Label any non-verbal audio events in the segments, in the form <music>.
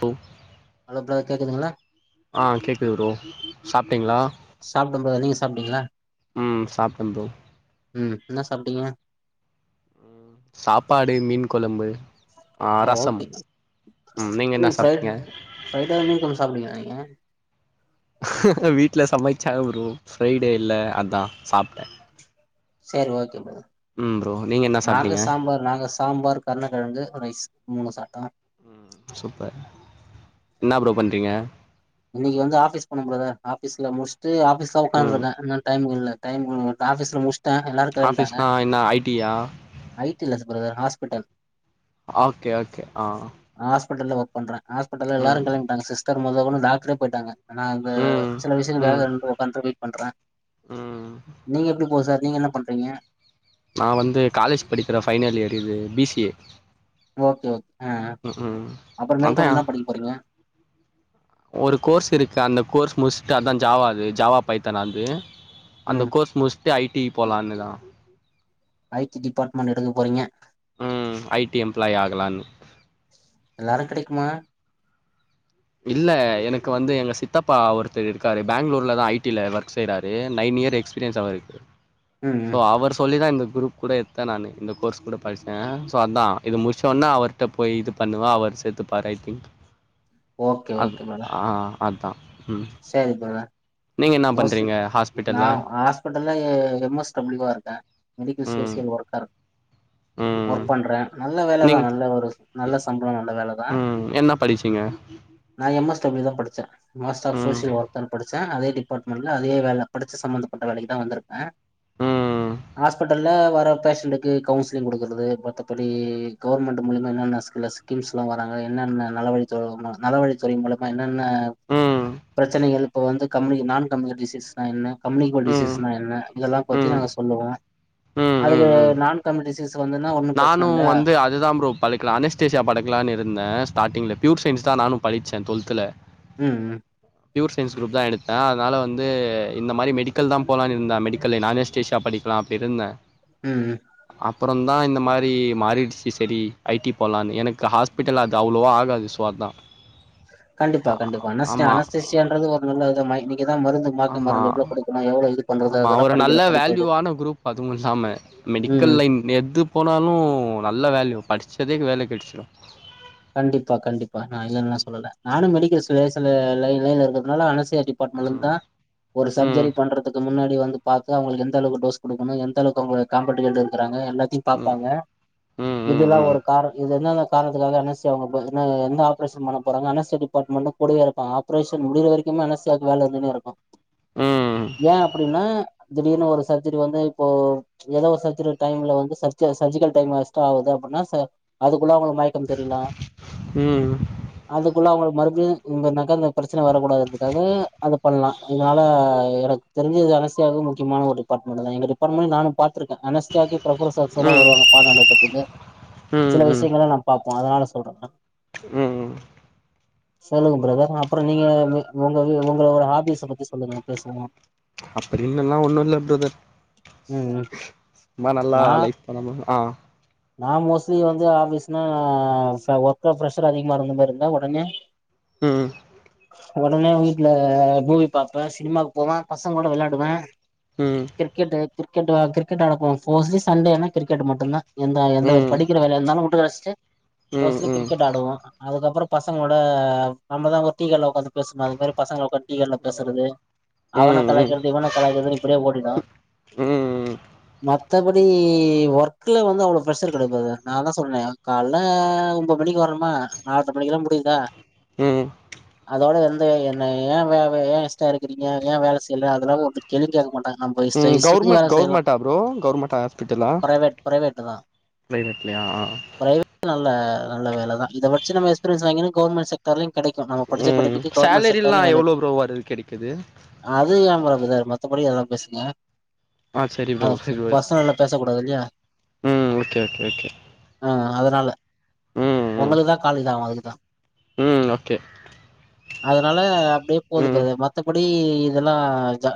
போ hello bro கேக்குதுங்களா ஆ கேக்குது ப்ரோ சாப்ட்டீங்களா சாப்ட்ட ப்ரோ நீங்க சாப்ட்டீங்களா ம் சாப்ட்ட ப்ரோ ம் இன்னா சாப்ட்டீங்க சாப்பாடு மீன் கொழம்பு ஆ ரசம் ம் நீங்க என்னா சாப்ட்டீங்க ஃப்ரைடேல மீன் கொழம்பு சாப்டுவீங்களா நீங்க வீட்ல சமைச்சாங்க ப்ரோ ஃப்ரைடேயில்ல அதா சாப்ட்டே செரி ஓகே பிரதர் ம் ப்ரோ நீங்க என்ன நாங்க சாப்ட்டீங்க சாம்பார் நாங்க சாம்பார் கர்னக்கெழங்கு ரைஸ் மூணு சாப்ட்டோ ம் சூப்பர் இன்னா ப்ரோ பண்றீங்க இன்னைக்கு வந்து ஆபீஸ் போன பிரதர் ஆபீஸ்ல முஸ்ட்டு ஆபீஸ்ல ம் உக்காந்துருக்க <unintelligible> டைம் இல்ல டைம் <unintelligible> ஆபீஸ்ல முஸ் ஆபீஸ்னா என்னா ஐ டி யா ஐ டி ல்லஸ் பிரதர் ஹாஸ்பிட்டல் ஓகே ஓகே ஆ ஹாஸ்பிட்டல்ல ஒர்க் பண்றே ஹாஸ்பிட்டல்ல ம் எல்லாரு கெளம்பிட்டங்க சிஸ்டர் மொதகொண்டு டாக்டரே போய்ட்டாங்க நாங்க அந்த ம் சில ம் விஷ்யங்களுக்காக <unintelligible> பண்ற வெயிட் பண்ற ம் நீங்க எப்டி போது சார் நீங்க என்ன பண்றீங்க நா வந்து காலேஜ் படிக்கிற ஃபைனல் இயர் இது B C A okay okay ஆ ம் ம் அப்புற அதா மேற்கொண்டு இன்னா படிக்க போறீங்க ஒரு கோர்ஸ் இருக்கு அந்த கோர்ஸ் முஸ்ட்டு அதா ஜாவா அது ஜாவா பைத்தான் அது அந்த ம் கோர்ஸ் முஸ்ட்டு ஐ டி போலாம்னுதா ஐ டி டிபார்ட்மெண்ட் எடுக்க போறீங்க ம் ஐ டி எம்ப்லாய் ஆகலான்னு எல்லாரு கெடைக்குமா இல்ல எனக்கு வந்து எங்க சித்தப்பா ஒருத்தரு இருக்காரு பெங்களூர்ல தா ஐ டி ல ஒர்க் செய்றாரு நைன் இயர் எக்ஸ்பீ பீரியன்ஸ் அவருக்கு ம் ஸோ ம் அவர் சொல்லிதா இந்த குரூப் கூட எத்தே நானு இந்த கோர்ஸ் கூட படிச்சே ஸோ அதா இது முடிச்ச ஒடனே அவர்ட்ட போய் இது பண்ணுவ அவர் சேத்துப்பாரு ஐ டி ஓகே அது ஆ அதா ம் செரி பிரதர் என்னா பண்றீங்க ஹ க்கு நா ஹாஸ்பிட்டல்ல எம் எஸ் டபள்யு வா இருக்கே மெடிக்கல் ம் சோசியல் ஒர்க்கார் ம் ஒர்க் பண்றே நல்ல வேலைதா நீங் நல்ல ஒரு நல்ல சம்பளோ நல்ல வேலதா ம் என்ன படிச்சீங்க நா எம் எஸ் டபல்யு தா படிச்சே மாஸ்டர் ஆஃப் ம் சோசியல் ஒர்க்கர் படிச்சே அதே டிப் பாட்மெண்ட்ல அதே வேல படிச்ச சம்பந்தப்பட்ட வேலைக்கு தா வந்துருக்கே ம் ஹாஸ்பிட்டல்ல வர பேஷண்டக்கு கவுன்சிலிங் குடுக்கறது மத்தபடி கவர்மெண்ட் மூலியமா என்னென்ன் ஸ்கில்லஸ் ஸ்கில்ஸ்ல வராங்க என்னென்ன நல வழித்துறை நலவழித்துறை மூல <unintelligible> என்னென்ன ம் பிரச்சனைகள் இப்ப வந்து கம்னி நான்கு கம்னோடிசிஸ்னா என்ன கம்னிக்கோல் ம் டிசீஸ்னா ம் என்ன இதெல்லா பத்தி நாங்க சொல்லுவோ அதுக்கு நான் கம்டிசீஸ் வந்துன்ன ஒன் நானு வந்து அ இதுதா ப்ரோ படிக்கல அனஸ்டேஷா படிக்கலானு இருந்த ஸ்டார்டிங்ல பியூர்சயன்ஸ் தா நானு படிச்ச டுவெத்ல ம் ம் பியூர் சயின்ஸ் குரூப் தா எடுத்த அதனால வந்து இந்தமாரி மெடிக்கல் தா போலான்னு இருந்த அனஸ்டேஷியா படிக் நா அப்ப இருந்த ம் ம் அப்புரோந்தா இந்த மாரி மாறிச்சி செரி ஐ டி போலான்னு எனக்கு ஹாஸ்பிட்டல் அது அவ்ளோவா ஆகாது ஸோ அத்தா கண்டிப்பா கண்டிப்பா அனஸ்தி ஆமாம் அனஸ்தேதிஷியான்றது ஒரு நல்லதமா இன்னைக்குதான் மருந்து மாத்து மருந்து எவ்ளோ கொடு எவ்ளோ இருக் ஆமா ஒரு நல்ல வேல்யூவான குரூப் அதுவுமில்லாம ம் மெடிக்கல் லைன் எது போனாலு நல்ல வேல்யூ படிச்சதே வேல கிடச்சிடு கண்டிப்பா கண்டிப்பா நா இல்லைனு சொல்லல நானு மெடிக்கஸ் <unintelligible> லைன்லா இருக்கனால அனஷ்ஷியா பட் ம் விழுந்தா ஒரு ம் சர்ஜரி பண்றதுக்கு முன்னாடி வந்து பாத்து அவுங்களுக்கு எந்தளவுக்கு டோஸ் குடுக்கணு எந்த அளவுக்கு அவுங்க <unintelligible> கிறாங்க எல்லாத்தியு ம் பாப்பாங்க ம் ம் இதுல்லா ம் ஒரு காரண இது என்ன என்ன காரணத்துக்காக அவுங்க என்ன என்ன ஆப்ரேஷன் பண்ண போறாங்க அனஷ்ஷியா டிபார்ட்மெண்ட்டு கூடவே இருப்பாங்க ஆப்ரேஷன் முடியிற வரைக் என் மனசு அது வேல இருந்துன்னே இருக்கு ம் ஏன் அப்டின்னா திடீர்னு ஒரு சர்ஜரி வந்து இப்போ ஏதோ ஒரு சர்ஜெரி டைம்ல வந்து சர்ஜெஸ் சர்ஜிக்கல் டைம் எக்ஸ்ட்ரா ஆகுது அப்டின்னா அதுக்குள்ள அவுங்களுக்கு மயக்கம் தெரிலா ம் அதுக்குள்ள அவுங்களுக்கு மறுபுடியு இவுங்ன்னாக்கா அந்த பிரச்சனை வரக்கூடாதுங்காக அத பண்லா இதனால எனக் தெரிஞ்சது அனுஷ்யாவு முக்கியமான ஒரு டிபார்ட்மெண்ட் தா எங்க டிபார்ட்மெண்ட் நானு பாத்திருக்க அனுஷ்ஸியாவுக்கு பிரபல்லா சாக்ஸ்சோட ம் வருவாங்க பாடோ நடத்துருதக்கு ம் சில விஷயங்கள நா பாப்பே அதனால சொல்றே ம் ம் சொல்லுங்க பிரதர் அப்ரோ நீங்க உங்க உங்களோட ஹாபிஸ் ஸ பத்தி சொல்லுங்க பேசுவோ அப்படினுலா ஒண்ணு இல்ல பிரதர் ம் ம் இன்னோ நல்லா நா லைஃப் பண்ணணும் ஆ நா மோஸ்லி வந்து ஆபீஸ்னா இப்ப ஒர்க்கா பிர்ரெஷர் அதிகமா மாரி இருந்தா ஒடனே ம் ஒடனே வீட்ல மூவி பாப்பே சினிமாவுக்கு போவ பசங்க கூட வெளையாடுவ ம் கிரிக்கெட்டு கிரிக்கெட்டு கிரிக்கெட்டு ஆட போவோ போஸ்ட்லி சண்டே ஆனா கிரிக்கெட்டு மட்டுந்தா எந்த எந்த ம் ம் படிக்கிற வேலையாந்தாலு முட்டுகடச்சிட்டு ம் மோஸ்ட்லி ம் கிரிக்கெட் ஆடுவோ அதுக்கப்ரோ பசங்களோட நம்மதா ஒரு டீகடல உக்காந்து பேசும் அது மாரி பசங்க உக்காந்து டீ கடயில பேசுறது அவன ம் கலாக்கிற்து இவன கலாக்கிற்து இப்படியே ஓடிடு ம ம் மத்தபடி ஒர்க்குல வந்து அவ்ளோ ப்ரஷர் கெடையாது <unintelligible> நான்தா சொன்னே கால்ல ஆ ஒம்போது மணிக்கு வரம்மா நால்ர மணிக்குல்லா முடியுதா ம் அதோட எந்த என்ன ஏன் வேல ஏன் எக்ஷ்டா இருக்கிறீங்க ஏன் வேல செய்யல அதெல்லா ஒரு கேள்வியும் கேட்க மாட்டாங்க நம்ம இஷ்ட ம் இஷ்டத்துக்கு கவுர்மெண்ட் வேல செய்யலா கவுர்மெண்ட்டா ப்ரோ கவுர்மெண்ட்டா ஹாஸ்பிட்டலா பிரைவேட் பிரைவேட்டுதா பிரைவேட்லய ஆ பிரைவேட் நல்ல நல்ல வேல தா இத வச்சி நம்ம எக்ஸ்பீரியன்ஸ் வாங்கிட்டு கவர்மெண்ட் சைட் கர்லின் கடைக்கு நம்போ படிச்ச ம் படிப்புக்கு கவுர்மெண்ட் சேலரில்லா செக்டர்ல வேல எவ்ளோ இருக்கு ப்ரோ வருது கெடைக்குது அது ஏ பிரதர் மத்தபடி எதாது பேசுங்க ஆ சரி அ ப்ரோ சரி ப்ரோ பர்சனல்ல பேச கூடாது இல்லயா ம் ஓகே ஓகே ஓகே ஆ அதனால உங்களுக்குதா கால் இதா ஆகும் அதுக்குதா உம் ஓகே அதனால அப்டியே ம் போதுபாரு மத்தபடி இதெல்லா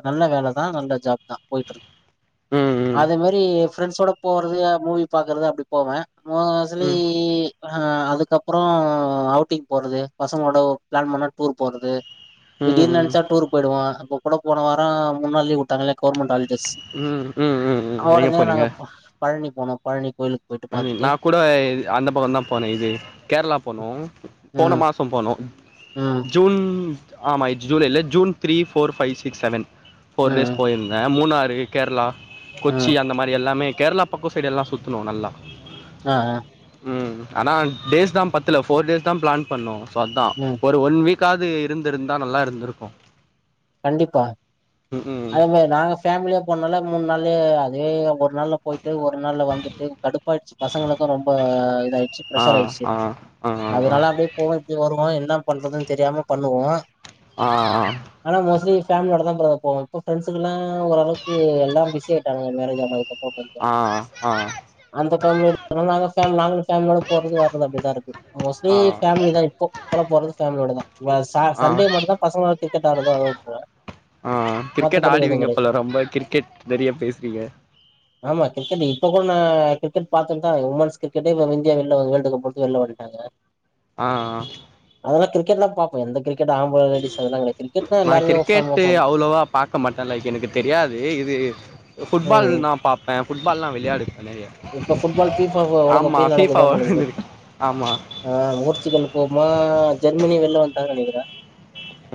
நல்ல வேலதா நல்ல ஜாப் தா போயிட்டு ம் ம் அதே மாதிரி ப்ரெண்ட்ஸோட போறது மூவி பாக்றது அப்படி போவே ரி ம் ம் ஆ அதுக்கப்புறம் அவுட்டிங் போறது பசங்களோட பிளான் பண்ணா டூர் போறது திடீர்னு நினைச்சா டூர் போயிடுவே அப்ப கூட போன வாரம் மூன் நாள் லீவ் விட்டாங்கல்ல கவர்மெண்ட் ஹாலிடேஸ் உம் உடனே நாங்க பழனி போனோ பழனி கோயிலுக்கு போயிட்டு பழனி பாத்துட்டு நா கூட அந்த பக்கம் தா போனேன் இது கேரளா போனோ போன மாச ம் போனோ ம் ஜூன் ஆமா ஆ July June three four five six seven four ம் டேஸ் போயிருந்த மூணுாறு கேரளா கொச்சி ம் அந்த மாதிரி எல்லாமே கேரளா பக்கம் சைடு எல்லாமே சுத்துனோ நல்லா ஆ உம் ஆனா டேஸ் தா பத்தல போர் டேஸ் தா பிளான் பண்ணோ அதா ம் ஒன் வீக்காவது இருந்திருந்தா நல்லா இருந்திருக்கு கண்டிப்பா ம் ம் அதே மாதிரி நாங்க ஃபேமிலியா போனால மூணு நாளே அதே ஒரு நாளா போயிட்டு ஒரு நாள் வந்து ட்டு கடுப்பாயிடுச்சு பசங்களுக்கு ரொம்ப இதாயிடுச்சு ஆ பிரஷர் ஆயிடுச்சு ஆ ஆ ஆ அதனால அப்படியே போ இப்படி வருவோம் என்ன பண்றதுன்னு தெரியாம பண்ணுவோ ஆ அ ஆனா மோஸ்லி ஃபேமிலியோட தா பிரதர் போவ இப்ப ஃப்ரண்ட்ஸு எல்லாம் ஓரளவுக்கு எல்லாம் பிஸி ஆயிட்டாங்க மேரேஜ் ஆனதுக்கு அப் ஆ ஆ அந்த ஃபேமிலி யோட நாங்கள ஃபேமிலோ போறது வருது அப்படிதா இருக்கு மோஸ்ட்லி ஆ பேமிலி தா இப்போ போறது ஃபேமிலியோட தா ஆ ஆ சண்டே மட்டும் தா பசங்கலோட கிரிக்கெட் ஆடுறது அத விட்ருவே ஆ கிரிக்கெட் மத்தபடி எது கெடையாது ஆடிவீங்கப்போல ரொம்ப கிரிக்கெட் நிறைய பேசுறீங்க ஆமா கிரிக்கெட இப்ப கூட நா கிரிக்கட் பாத்தட்டுதா உமன்ஸ் கிரிக்கெட்ட இந்தியா வெளிலந்து வேர்ல்டு கப் விட்டு வெளிய வந்துட்டாங்கா ஆ அ அதெல்லா கிரிக்கெட்லா பாப்பபே எந்த கிரிக்கட் ஆம்பள லேடீஸ் அது எல்லா கிடையாது நா கிரிக்கெட் அவ்வளவா பாக்க மாட்டே லைக் எனக்கு தெரியாது இது ஃபுட்பால் ம் நா பாப்பேன் ஃபுட்பால்ல்லா விளையாடுவே நிறைய இப்ப ஃபுட்பால் பீ ப உலக கோப்பை நடக்குதே உங்களுக்கு வேர்ல்டு ஆமா ஆ போர்ச்சுகல் போகுமா ஜெர்மனி வெளில வந்துடாங்க நினைக்கிற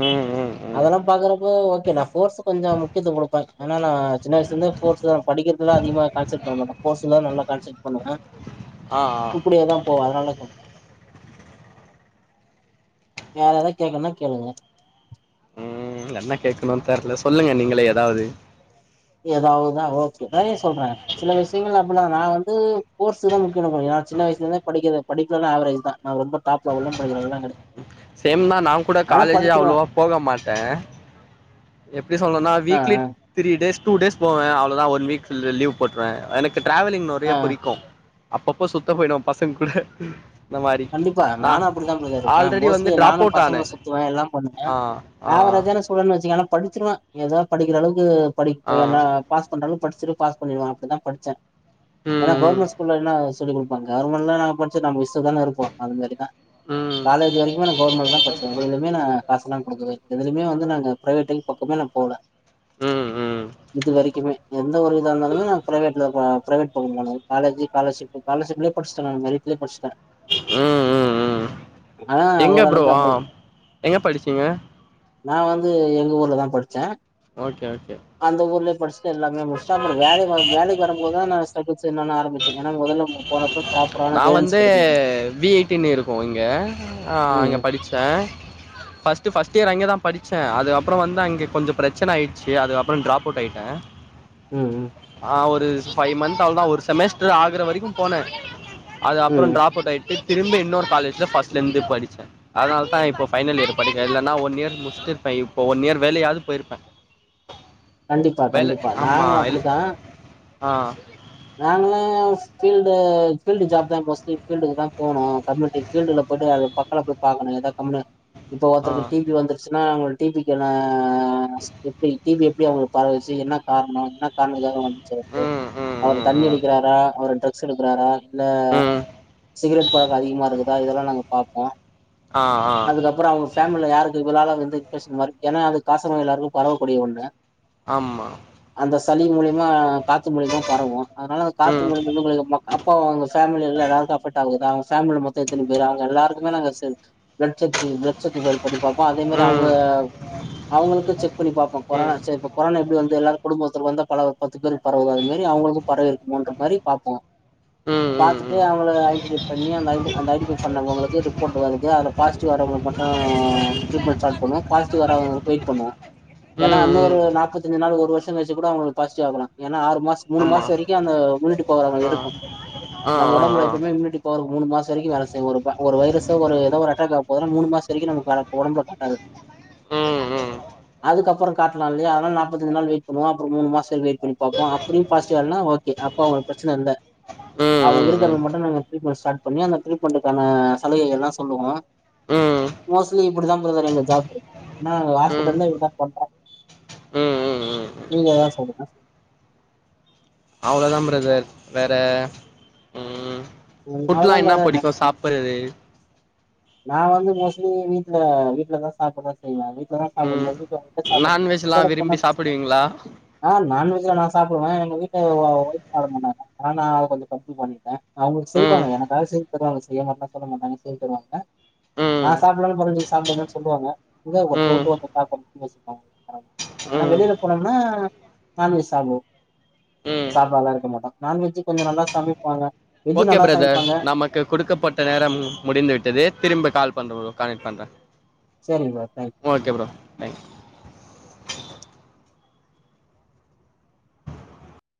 ம் ம் ம் அதெல்லா பாக்குறப்ப ஓகே நா ஃபோர் கொஞ்சம் முக்கியத்துவம் கொடுப்பேன் ஏன்ன நா சின்ன வயசலருந்து ஸ்போர்ட் தா படிக்கிறதுதல அதிக கான்சட் பண்ண மாட்டே போஸ்ஸுல நல்லா கான்சைன்ட் பண்ணுவாங்க ஆ ஆ இப்படியேதா போ அதனால சொன் யாரன்னா கேக்கனுன்னா கேளுங்க உம் என்ன கேக்கணு தெர்ல சொல்லுங்க நீங்களே ஏதாவ்து ஏதாவுதா வக்கு வேலைய சொல்றே சில விஷ்யங்கள் அப்பல்லா நா வந்து போர்ஸுதா முக்கின குரியா சின்ன வயசுல இருந்தே படிக்கது படிக்லனா ஆவ்ரேஜ் தா நான் ரொம்ப டாப் லவல்லா படிக்கிற்து எல்லாம் கெடே சேம் தா நா கூட காலேஜே அவ்ளவா போக மாட்டே எப்டி சொல்னுனா ஆ வீக்லி ஆ த்ரீ டேஸ் டூ டேஸ் போவே அவ்ளோதா ஒன் வீக் ஃபில் லீவ் போட்ருவே எனக்கு ட்ராவலிங் நுறைய ஆ பிடிக்கு அப்பப்போ சுத்த போய்டு பசங் கூட இந்த மாரி கண்டிப்பா நா நானு அப்படிதா ப்ரதர் இருப்பே ஆல்ரெடி வந்து மோஸ்லி ட்ராப் நானு அவுட் ஆனே பசங்களோட சுத்துவே எல்லாம் பண்ணுவே ஆ ஆ ஆவரேஜா நஸ் கூடன்னு வச்சிங்க ஆனா படிச்சிருவே ஏதா படிக்கிற அளவுக்கு ஆ படிப்பு என்னா பாஸ் பன்றளவு படிச்சுரு பாஸ் பண்ணிருவே அப்டித்தா படிச்சே ம் ஏனா ம் கோர்மெண் ஸ்கூல்ல என்ன சொல்லி குடு பாங் கவ்ர்மெண்ல நா படிச்ச நா மிஸ்ஸுதான இருப்போ அதுமாரிதா ம் காலேஜு வரைக்கு நா கோர்மெண்ட் தா படிச்சே எதுலுமே நா காஸ்லா குடுக்கவே எதுலுமே வந்து நாங்க ப்ரைவேட்டை பக்கமே நா போல ம் இது வரைக்குமே எந்த ஒரு இதா இருந்தாலுமே நா ப்ரைவேட்ல வா பிரைவேட் பக்கோ நானு காலேஜி காலர்ஷிப்பு காலர்ஷிப்லே படிச்டே நானு மெரிட்ல படிச்டே ம் ம் ம் ஆனா எங்க ப்ரோ ஓரளவுக்கு அப்படி ஆம் எங்க படிச்சீங்க நா வந்து எங்க ஊர்ல தா படிச்சே ஓகே ஓகே அந்த ஊர்லே படிச்ட்டு எல்லாமே முஷ்டா அப்ர வேலை முதல் வேலைக்கு வரும்போதா நா ஸ்டகுல்ஸ் என்னன்னு ஆரம்பிச்சே ஏன்னா மொதல்லம்மு போனப்ப ப்ராப்பரான கைடன்ஸ் கெடைக்கல எனக் எ பி ஐ டினு இருக்கு இங்க ஆ அங்கே ம் படிச்சே பஸ்ட் ட்டு ஃபஸ்ட் இயர் அங்கதா படிச்சே அது அப்றோ வந்து அங்கி கொஞ்சோ ப்ரச்சன ஆய்ச்சி அதுக்கப்றன் ட்ரா கோட் ஆய்ட்டே ம் ம் ஒரு பஃபைவ் மந்த்த் அவளதான் ஒரு செமஸ்டர் ஆகுற வரைக்கும் போனேன் அது அப்றோ ம் ட்ரா கோட் ஆயிட்டு திரும்பி இன்னொர் காலேஜல ஃபஸ்ல இருந்து படிச்சே அதனால தான் இப்போ பைனல் இய படிக்கன் இல்லன்னா ஒன் இர் முடிச்சட்டு இருப்பேன் இப்போ ஒன் இயர் வேலையாவது போயிருப்பேன் கண்டிப்பா வேலை கண்டிப்பா ஆமாம் நாங்களு இல் அப்படிதா ஆ நாங்களா ஃபீல்டு ஃபீல்டு ஜாப் தா மோஸ்ட்லி ஃபீல்டுக்கு தா போனும் கம்யூட்டீ ஃபீல்டுல போய்ட்டு அது பக்கல போய் பாக்கணு எதா கம்முனு இப்ப ஆ ஒருத்தருக்கு டிவி வந்து ஸுனா டீபிக்குனா ஆஸ் எப்டி டிவி எப்டி அவங்களுக் பாரவச்சி என்ன கார்ணு என்ன காரணுக்காக வந்துச்சி அப்போ ம் ம் அவர் ம் தண்ணி ம் அடிக்கிறாரா அவர் ட்ரக் ஸு எடுக்குறாரா இல்ல ம் சிகரெட் பழக்க அதிகமா இருக்குதா இதெல்லா நாங்க பாப்போ ஆ ஆ ப்ற அவ்ங்க ஃபேமில யாருக்கு இவாலா வந்து இன்பக்ஷன் மாரி ஏனா அது காச நோய் எல்லார்க்கு பரவக்கூடிய ஒண்ணு ஆம்மா அந்த சளி மூலிமா காத்து மூலிமா பரவு அதனால அந்த காத்து ம் மூலிமா இன்னு கொஞ்சு கொஞ்சும்மா அப்பா வாங்கஸ் ஃபேமில எல்லார்க்கு அஃபெக்ட் ஆகுதா ஃபேமில மொத்து எத்தின் பேர் அவங்க எல்லார்க்குமே நாங்க சென் ப்லெட் செக் ச்செய்யு ப்லக் சுத்து பல் பண்ணி பாப்போ அதே மாரி ம் ம் அவ்ங்காவ் அவங்களுக்கு செக் பண்ணி பாப்போ பார ம் ச இப்ப கொரோனா எப்டி வந்தல எல்லாருக்கும் குடும்பத்துல வந்து பல பத்து பேருக்கு பரவு அது மாரி அவங்களுக்கு பரவி இருக்குன்ற மாரி பாப்போ ம் பாத்துட்டு ம் அ <unintelligible> ஐடி பண்ணி அந்த <unintelligible> பண்ணவங்களுக்கு ரிப்போர் வருது பாசிடிவ் வறவங்க மட்டு ட்ரிட்மென்ட் ஸ்டாட் பண்ணோ பாசிட்டிவ் வராதவங்களுக்கு வெய்ட் பண்ணோ ஏன்னா ம் இன்னொரு ம் நாப்பத்தஞ்சு நாள் ஒரு வருஷோ கழிச்சு கூட அவங்ளுக்கு பாசிட்டிவ் ஆகலா ஏனா ஆறு மாஸ் மூணு மாச ஆமாம் வரைக்கு அந்த இம்யூனிட்டி பவர் அங்க ஆ இருக்கு ஆ ஆ நம்ம உடம்புல ஆ எப்பவுமே இம்யூனிட்டி இப்ப ஒரு மூணு மாச வரைக்கு வேல செய் ஒரு வ ஒரு வைரஸ ஒரு ஏதோ ஒரு அட்டாக் ஆவ போதுனா மூணு மாசோ வரைக்கு நமக்கு ஒடம்புல காட்டாது ம் ம் அதுக்கப்புறோ காட்லா இல்லையா அனால நாப்பத்தஞ்சு நாள் வெய்ட் பன்னுவோ அப்றோ மூணு மாசோ வெய்ட் பண்ணி பாப்போ திரும்பி பாசிடிவ் ஆலனா ஓகே அப்ப அவங்களுக் பிரச்சன இல்ல ம் அவங்க ம் ம் ம் இருக்றத மட்டு நாங்க ட்ரீட்மெண்ட் ஸ்டார்ட் பண்ணி அந்த டீரிட்மென்டுக்கான சலுகைகல்லா சொல்லுவோ ம் மோஸ்லி இப்டி தா ப்ரதர் எங்க ஜாப்பு ஆனா ம் ஹாஸ்பிட்டல் தா இப்டிதா பண்ற ம் ம் நீங்க ஏதாச்சு சொல்லுங்க அவ்ளதா ப்ரதர் வேற ம் ம் ஃபுட்லா அவ்ளதா என்ன பிரதர் பிடிக்கு சாப்பிட்றது நா வந்து மோஸ்ட்லி வீட்ல வீட்லதா சாப்பிட தா செய்வ வீட்டுல ம் தா நான்வெஜ்லா சாப்பிட விரும்பி சாப்புடுவீங்களா <inaudible> ஆ நான் வெஜ்லா நா சாப்டுவ எங்க வீட்டு ஒய்ப் சாப்ட மாட்டாங்க ஆனா அவ கொஞ்சோ கம்ப் பண்ணிட்ட அவங்க ம் செய்வாங்க எனக்காக செய்து தருவாங்க செய்ய மாட்டேன் சொல்ல மாட்டாங்க செய் தருவாங்க நா ம் சாப்டலனாலு பரவால்ல நீங்க சாப்டுங்கன் சொல்லுவாங்க இங்க ஒருத்தர ம் விட்டு ஒருத்த சாப்பா <inaudible> ஆனா ம் வெளில போனம்னா நான்வெஜ் சாப்டுவோ ம் சாப்டாமலா இருக்க மாட்டோ நான் வெஜ்சு கொஞ்சோ நல்லா சமைப்பாங்க வெஜ்ஜு ஓகே நல்லா ப்ரதர் சமைப்பாங்க நம்ம க்கு குடுக்கப்பட்ட நேரம் முடிந்துவிட்டது திரும்ப கால் பண்ற கணெக்ட் பண்ற சேரிங்க ப்ரோ தேங்க்யூ ஓகே ப்ரோ தங்